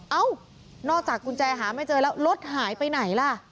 เอ้านอกจากกุญแจหาไม่เจอแล้วรถหายไปไหนล่ะ